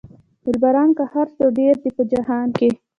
دلبران که هر څو ډېر دي په جهان کې.